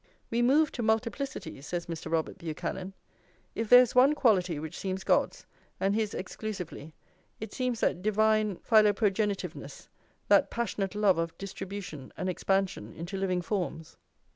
"We move to multiplicity," says Mr. Robert Buchanan. "If there is one quality which seems God's, and his exclusively, it seems that divine philoprogenitiveness, that passionate love of distribution and expansion into living forms.